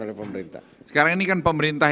oleh pemerintah sekarang ini kan pemerintah